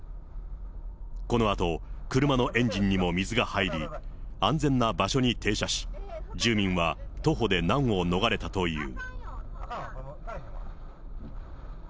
このあと車のエンジンにも水が入り、安全な場所に停車し、住人は徒歩で難を逃れたという。